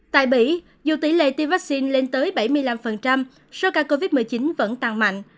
tại bỉ dù tỷ lệ tiêm vaccine lên tới bảy mươi năm số ca covid một mươi chín vẫn tăng mạnh